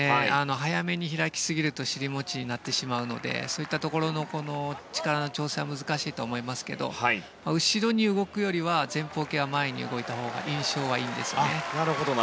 早めに開きすぎると尻餅になってしまうのでそういったところの力の調整は難しいと思いますけど後ろに動くよりは前方系は前に動いたほうが印象はいいんですよね。